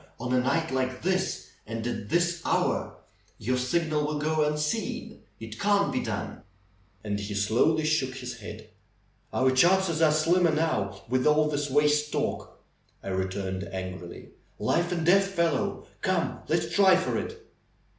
On a night like this! And at this hour! Your signal will go unseen. It can't be done." THE BEND OF THE HILL 163 And he slowly shook his head. ^^Our chances are slimmer now, with all this waste talk," I returned angrily. "^Life and death, fellow! Come, let's try for it!"